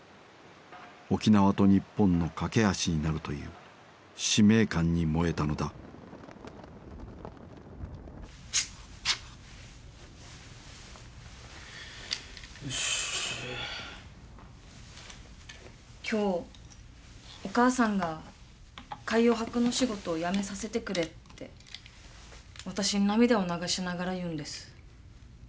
沖縄と日本のかけ橋になるという使命感に燃えたのだ今日お母さんが海洋博の仕事をやめさせてくれって私に涙を流しながら言うんです。